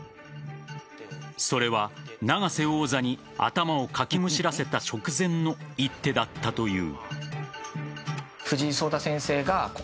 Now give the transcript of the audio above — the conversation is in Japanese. それは永瀬王座に頭をかきむしらせた直前の一手だったという。